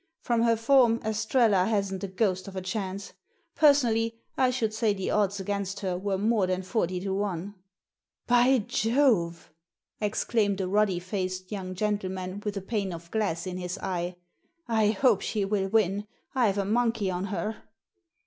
From her form Estrella hasn't the ghost of a chance. Personally, I should say the odds against her were more than forty to one." "By Jove!" exclaimed a ruddy faced young gentleman, with a ''pane of glass" in his eye, ''I hope she will win! I've a monkey on her!"